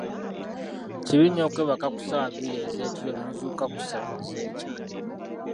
Kibi nnyo okweebaka ku ssaawa bbiri ez'ekiro n'ozuukuka ku ssatu ez'enkya.